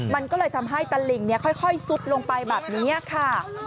มันก็เลยทำให้ตลิ่งค่อยซุดลงไปแบบนี้ค่ะ